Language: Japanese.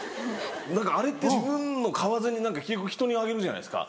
何かあれって自分の買わずにひとにあげるじゃないですか。